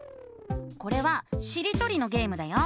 これはしりとりのゲームだよ。